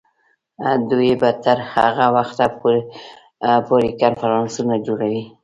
دوی به تر هغه وخته پورې کنفرانسونه جوړوي.